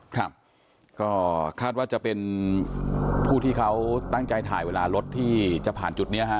ครับก็คาดว่าจะเป็นผู้ที่เขาตั้งใจถ่ายเวลารถที่จะผ่านจุดนี้ฮะ